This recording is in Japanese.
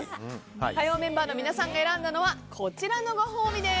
火曜メンバーの皆さんが選んだのはこちらのご褒美です。